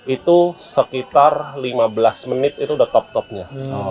itu sekitar lima belas menit itu udah top topnya